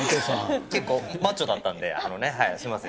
結構マッチョだったんで、あのね、すみません。